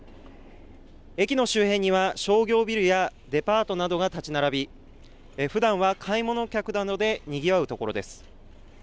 駅の周辺には商業ビルやデパートなどが建ち並び、ふだんは買い物客などでにぎわう所です。